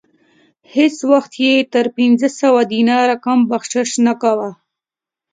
هیڅ وخت یې تر پنځه سوه دیناره کم بخشش نه کاوه.